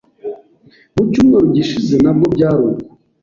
mu cyumweru gishize nabwo byaruko